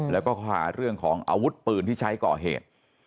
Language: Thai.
แล้วก็ข้อหาเรื่องของอาวุธปืนที่ใช้ก่อเหตุ